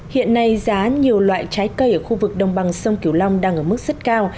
hiện nay giá nhiều loại trái cây ở khu vực đồng bằng sông kiều long đang ở mức rất cao